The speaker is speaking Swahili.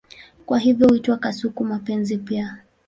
Kwa hivyo huitwa kasuku-mapenzi pia.